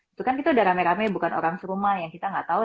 itu kan kita udah rame rame bukan orang serumah yang kita nggak tahu